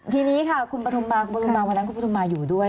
ทีนี้ค่ะคุณปฐุมมาคุณปฐุมมาวันนั้นคุณปฐุมมาอยู่ด้วย